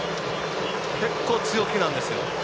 結構、強気なんですよ